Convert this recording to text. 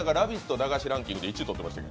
和菓子ランキングで１位取ってましたよ。